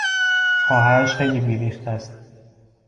خواهرش خیلی بیریخت است.